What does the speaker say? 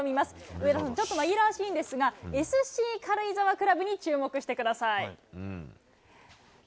上田さん、ちょっと紛らわしいんですが、ＳＣ軽井沢クラブに注目してください。